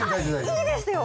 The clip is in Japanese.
いいですよ！